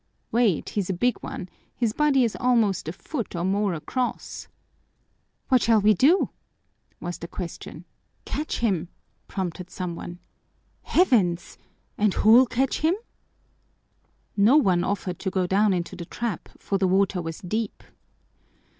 Wait, he's a big one, his body is almost a foot or more across." "What shall we do?" was the question. "Catch him!" prompted some one. "Heavens_!_ And who'll catch him?" No one offered to go down into the trap, for the water was deep.